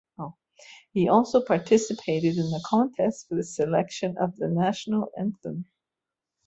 He also participated in the contest for the selection of the National Anthem.